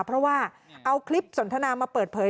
เพราะว่าเอาคลิปสนทนามาเปิดเผย